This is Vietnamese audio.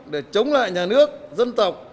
để chống lại nhà nước dân tộc